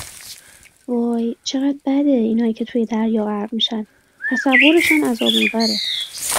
وای چقدر بده اینایی که توی دریا غرق میشن! تصورشم عذاب آوره!